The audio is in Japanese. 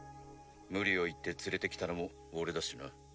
無理を言って連れてきたのも俺だしな。